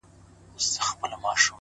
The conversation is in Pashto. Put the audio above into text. مهرباني د انسانیت ښکلی پیغام دی